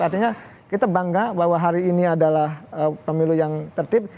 artinya kita bangga bahwa hari ini adalah pemilu yang tertib